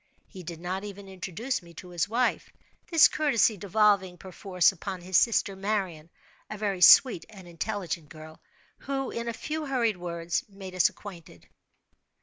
He did not even introduce me to his wife—this courtesy devolving, per force, upon his sister Marian—a very sweet and intelligent girl, who, in a few hurried words, made us acquainted.